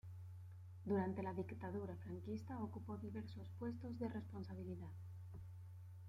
Durante la Dictadura franquista ocupó diversos puestos de responsabilidad.